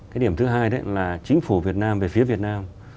cái điểm thứ hai đấy là chính phủ việt nam về phía việt nam